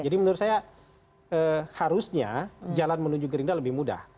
menurut saya harusnya jalan menuju gerindra lebih mudah